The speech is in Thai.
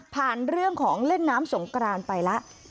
เรื่องของเล่นน้ำสงกรานไปแล้ว